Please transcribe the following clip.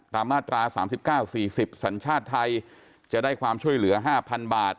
ตามอัตราสามสิบเก้าสี่สิบสัญชาติไทยจะได้ความช่วยเหลือห้าพันบาท